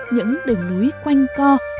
những đường núi quanh co